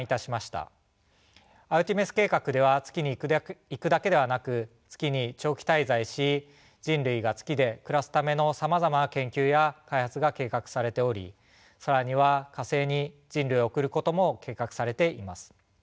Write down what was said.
アルテミス計画では月に行くだけではなく月に長期滞在し人類が月で暮らすためのさまざまな研究や開発が計画されており更には火星に人類を送ることも計画されています。